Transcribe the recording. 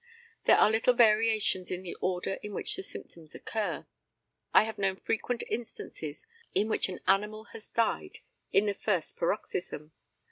There are little variations in the order in which the symptoms occur. I have known frequent instances in which an animal has died in the first paroxysm.